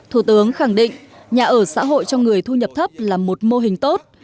thủ tướng khẳng định nhà ở xã hội cho người thu nhập thấp là một mô hình tốt